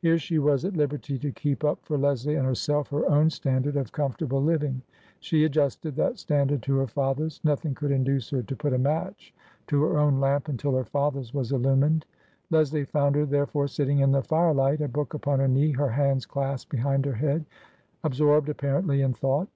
Here she was at liberty to keep up for Leslie and herself her own standard of comfortable living. She adjusted that standard to her father's. Nothing could induce her to put a match to her own lamp until her father's was illumined. Leslie found her, therefore, sitting in the firelight, a book upon her knee, her hands clasped behind her head, absorbed, apparently, in thought.